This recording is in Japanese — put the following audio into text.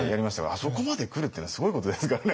あそこまで来るっていうのはすごいことですからね